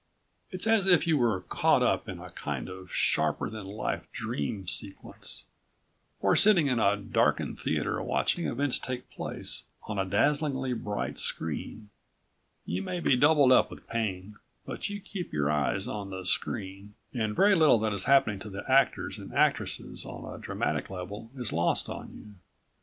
It's as if you were caught up in a kind of sharper than life dream sequence, or sitting in a darkened theater watching events take place on a dazzlingly bright screen. You may be doubled up with pain, but you keep your eyes on the screen and very little that is happening to the actors and actresses on a dramatic level is lost on you.